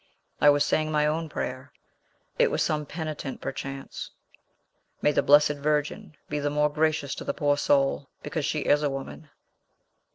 "I was saying my own prayer. It was some penitent, perchance. May the Blessed Virgin be the more gracious to the poor soul, because she is a woman."